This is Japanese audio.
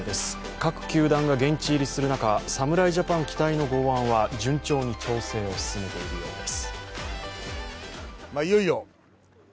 各球団が現地入りする中、侍ジャパン期待の剛腕は順調に調整を進めているようです。